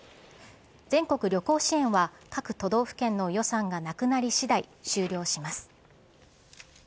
全国旅行支援は、各都道府県の予算がなくなりしだい、終了します。